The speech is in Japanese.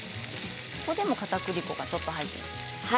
ここでもかたくり粉がちょっと入るんですね。